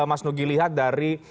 mas nugi lihat dari